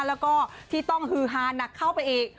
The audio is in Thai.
แล้วก็ที่ต้องฮือฮาหนักเข้าไปอีก